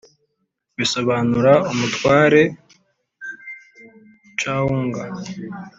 bisobanura umutware chuang